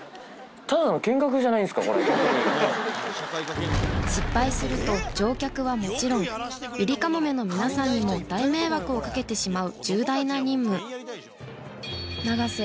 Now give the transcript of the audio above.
重要な失敗すると乗客はもちろんゆりかもめの皆さんにも大迷惑を掛けてしまう重大な任務永瀬